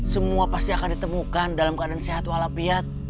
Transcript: semua pasti akan ditemukan dalam keadaan sehat walafiat